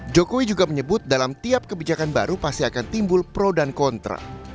jokowi juga menyebut dalam tiap kebijakan baru pasti akan timbul pro dan kontra